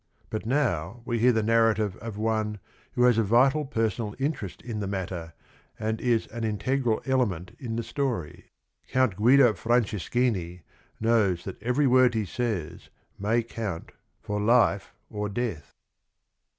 But now we hear the narrative of one who has a vital personal interest in the matter, and is an integral element in the story. Count Guido Franceschini knows that every word he says may count for life or death.